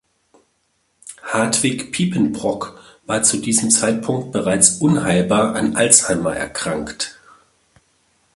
Hartwig Piepenbrock war zu diesem Zeitpunkt bereits unheilbar an Alzheimer erkrankt.